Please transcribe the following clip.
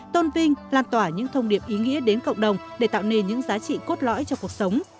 tôn vinh lan tỏa những thông điệp ý nghĩa đến cộng đồng để tạo nên những giá trị cốt lõi cho cuộc sống